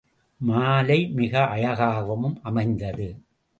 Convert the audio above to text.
மாலை மிக அழகாகவும் அமைந்தது.